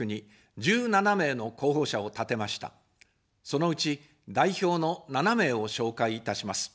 そのうち、代表の７名を紹介いたします。